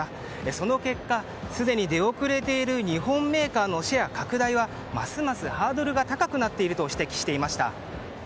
その結果、すでに出遅れている日本メーカーのシェア拡大はますますハードルが高くなっていると指摘していました。